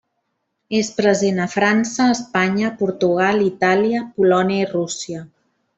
És present a França, Espanya, Portugal, Itàlia, Polònia i Rússia.